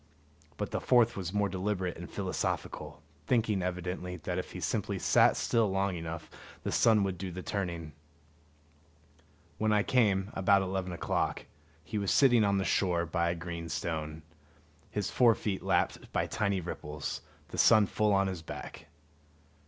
But the fourth was more deliberate and philosophical, thinking evidently that if he simply sat still long enough the sun would do the turning. When I came, about eleven o'clock, he was sitting on the shore by a green stone, his fore feet lapped by tiny ripples, the sun full on his back.